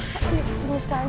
bu sekarang kita harus kemana